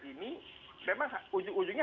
ini memang ujung ujungnya